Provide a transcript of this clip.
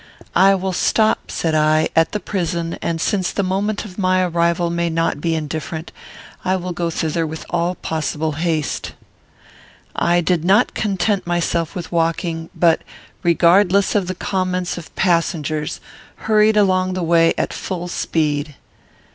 "I will stop," said I, "at the prison; and, since the moment of my arrival may not be indifferent, I will go thither with all possible haste." I did not content myself with walking, but, regardless of the comments of passengers, hurried along the way at full speed.